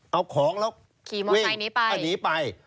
เอาของแล้ววิ่งขี่หมดไหนหนีไป